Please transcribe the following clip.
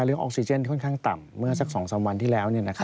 ออกซิเจนค่อนข้างต่ำเมื่อสัก๒๓วันที่แล้ว